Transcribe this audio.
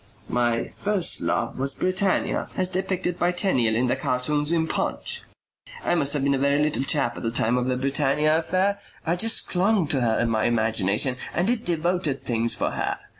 "My first love was Britannia as depicted by Tenniel in the cartoons in PUNCH. I must have been a very little chap at the time of the Britannia affair. I just clung to her in my imagination and did devoted things for her.